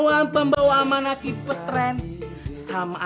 oda barai simsir